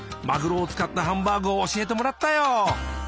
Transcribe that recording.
まぐろを使ったハンバーグを教えてもらったよ。